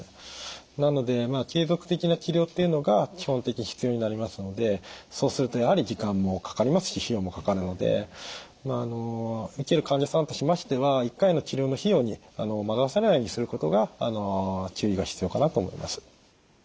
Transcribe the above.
なので継続的な治療っていうのが基本的に必要になりますのでそうするとやはり時間もかかりますし費用もかかるので受ける患者さんとしましては１回の治療の費用に惑わされないようにすることが注意が必要かなと思います。